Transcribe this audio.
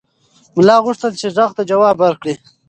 ملا غوښتل چې غږ ته ځواب ورکړي.